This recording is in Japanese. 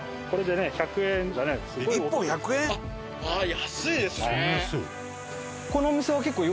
安いですね！